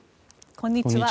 こんにちは。